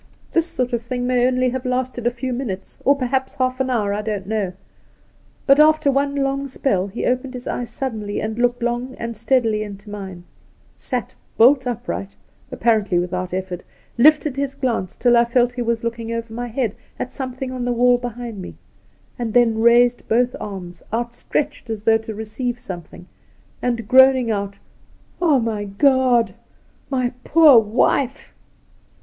This sort of thing may only have lasted a few minutes, or perhaps half an hour — I don't know ; but after one long spell he opened his eyes suddenly and looked long and steadily into mine, sat bolt upright, apparently without effort, lifted his glance tUl I felt he was looking over my head at something on the wall behind me, and then raised both arms, out stretched as though to receive something, and, groaning out, " Oh, my God ! my poor wife